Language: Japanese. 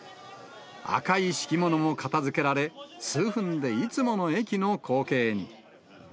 赤い敷物も片づけられ、数分でいつもの駅の光景に。